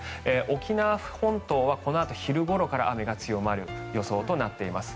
沖縄本島はこのあと昼ごろから雨が強まる予想となっています。